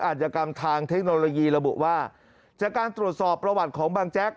อาจกรรมทางเทคโนโลยีระบุว่าจากการตรวจสอบประวัติของบางแจ๊ก